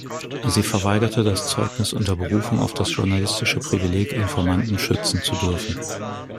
Sie verweigerte das Zeugnis unter Berufung auf das journalistische Privileg, Informanten schützen zu dürfen.